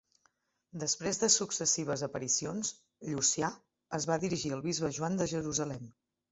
Després de successives aparicions, Llucià es va dirigir al bisbe Joan de Jerusalem.